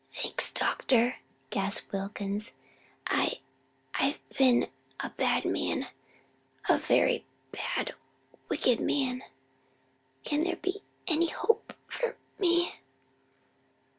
"Thanks doctor," gasped Wilkins, "I I've been a bad man; a very bad, wicked man; can there be any hope for me?"